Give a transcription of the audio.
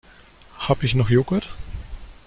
Habe ich noch Joghurt?